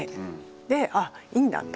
で「あいいんだ」と。